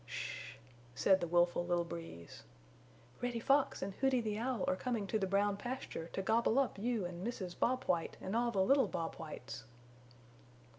"Sh h h," said the willful little Breeze. "Reddy Fox and Hooty the Owl are coming to the Brown Pasture to gobble up you and Mrs. Bob White and all the little Bob Whites."